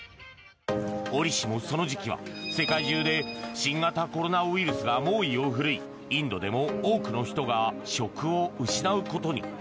おりしも、その時期は世界中で新型コロナウイルスが猛威を振るいインドでも多くの人が職を失うことに。